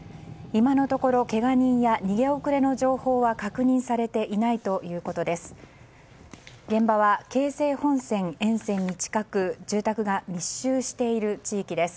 今のところけが人は逃げ遅れの情報は確認されていないということです。